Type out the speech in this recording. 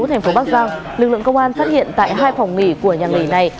tp bắc giang lực lượng công an phát hiện tại hai phòng nghỉ của nhà nghỉ này